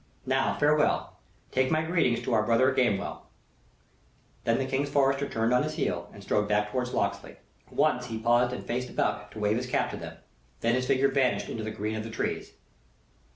Now, farewell take my greetings to our brother at Gamewell." Then the King's Forester turned on his heel and strode back towards Locksley. Once he paused and faced about to wave his cap to them: then his figure vanished into the green of the trees.